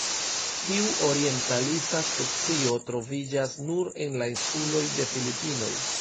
Tiu orientalisa specio troviĝas nur en la insuloj de Filipinoj.